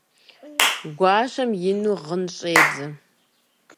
Гуащэм ину гъын щӀедзэ.